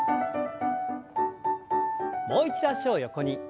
もう一度脚を横に。